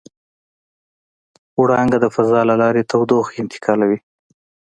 وړانګه د فضا له لارې تودوخه انتقالوي.